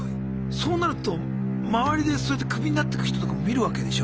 そうなると周りでそうやってクビになってく人とかも見るわけでしょ